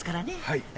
はい。